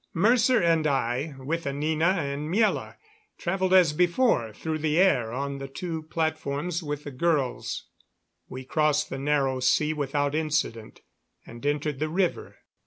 Mercer and I, with Anina and Miela, traveled as before through the air on the two platforms with the girls. We crossed the Narrow Sea without incident and entered the river.